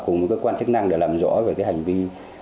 cùng các quan chức năng để làm rõ về hành vi